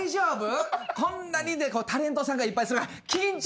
こんなにタレントさんがいっぱい。